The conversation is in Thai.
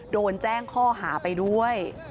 โดนแจ้งข้อหาไปด้วย